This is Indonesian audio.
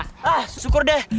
ah syukur deh